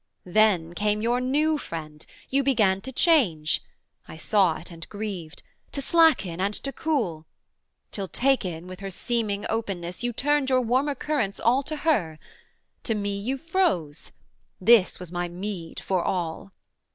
Then came your new friend: you began to change I saw it and grieved to slacken and to cool; Till taken with her seeming openness You turned your warmer currents all to her, To me you froze: this was my meed for all.